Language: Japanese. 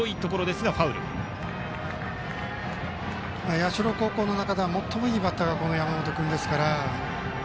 社高校の中では最もいいバッターが山本君です。